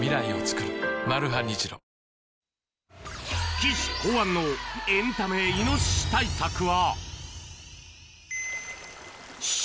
岸考案のエンタメイノシシ対策は。